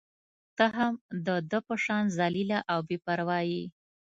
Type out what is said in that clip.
ته هم د ده په شان ذلیله او بې پرواه يې.